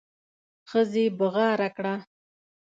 ښځې بغاره کړه.